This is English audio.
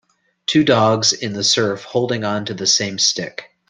Two dogs in the surf holding on to the same stick.